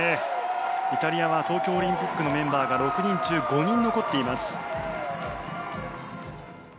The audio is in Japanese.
イタリアは東京オリンピックのメンバーが６人中５人残っています。